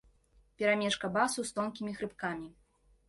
Перамешка басу з тонкімі хрыпкамі.